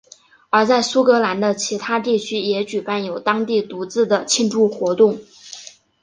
而在苏格兰的其他地区也举办有当地独自的庆祝活动。